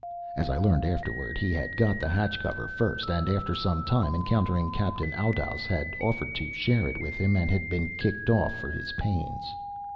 As I learned afterward, he had got the hatch cover first, and, after some time, encountering Captain Oudouse, had offered to share it with him, and had been kicked off for his pains.